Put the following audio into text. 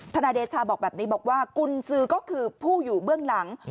นายเดชาบอกแบบนี้บอกว่ากุญสือก็คือผู้อยู่เบื้องหลัง